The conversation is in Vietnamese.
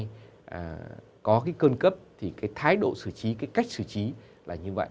nếu mà có cái cơn cấp thì cái thái độ sử trí cái cách sử trí là như vậy